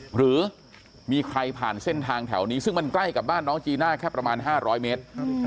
หรือมีใครผ่านเส้นทางแถวนี้ซึ่งมันใกล้กับบ้านน้องจีน่าแค่ประมาณ๕๐๐เมตร